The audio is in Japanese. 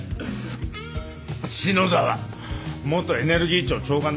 篠田は元エネルギー庁長官だぞ。